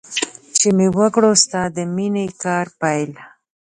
چې مې وکړ ستا د مینې کار پیل.